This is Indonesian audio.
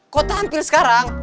kok tampil sekarang